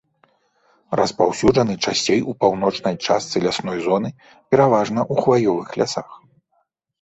Распаўсюджаны часцей у паўночнай частцы лясной зоны, пераважна ў хваёвых лясах.